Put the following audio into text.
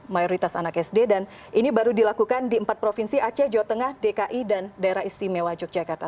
mayoritas anak sd dan ini baru dilakukan di empat provinsi aceh jawa tengah dki dan daerah istimewa yogyakarta